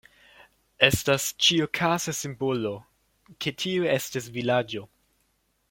Estas ĉiukaze simbolo, ke tio estis vilaĝo.